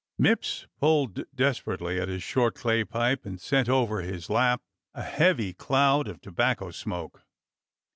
Mipps pulled desperately at his short clay pipe and sent over his lap a heavy cloud of tobacco smoke.